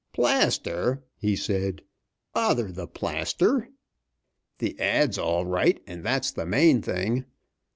"Plaster!" he said. "Bother the plaster! The ad.'s all right, and that's the main thing.